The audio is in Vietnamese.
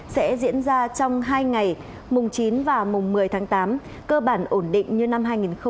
sẽ diễn ra trong hai ngày mùng chín và mùng một mươi tháng tám cơ bản ổn định như năm hai nghìn một mươi chín